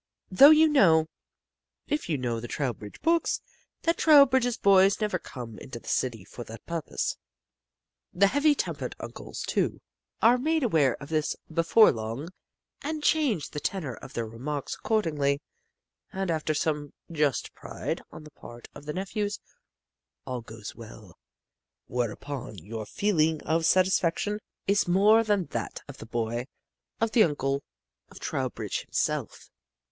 Though you know if you know the Trowbridge books that Trowbridge's boys never come into the city for that purpose. The heavy tempered uncles, too, are made aware of this before long, and change the tenor of their remarks accordingly and after some just pride on the part of the nephews, all goes well. Whereupon your feeling of satisfaction is more than that of the boy, of the uncle, of Trowbridge himself.